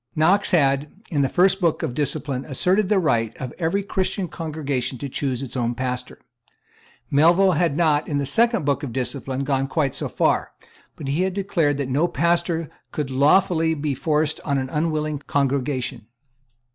Knox had, in the First Book of Discipline, asserted the right of every Christian congregation to choose its own pastor. Melville had not, in the Second Book of Discipline, gone quite so far; but he had declared that no pastor could lawfully be forced on an unwilling congregation.